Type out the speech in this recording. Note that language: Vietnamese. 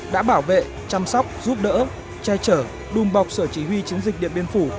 đã bảo vệ chăm sóc giúp đỡ che chở đùm bọc sở chỉ huy chiến dịch điện biên phủ